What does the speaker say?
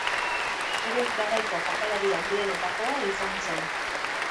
Bere garaiko jokalari handienetakoa izan zen.